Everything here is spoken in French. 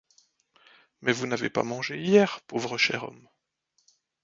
Mais vous n'avez pas mangé hier, pauvre cher homme!